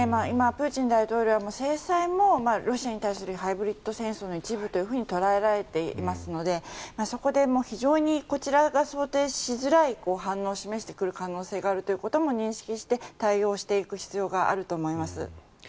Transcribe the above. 今、プーチン大統領は制裁もロシアに対するハイブリット戦争の一部と捉えられていますのでそこで非常にこちらが想定しづらい反応を示してくる可能性があるということも認識して対応していく必要があると思います。